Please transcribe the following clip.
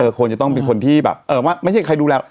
ควรจะต้องเป็นคนที่แบบเออว่าไม่ใช่ใครดูแล